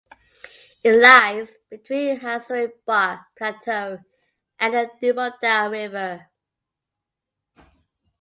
It lies between Hazaribagh Plateau and the Damodar River.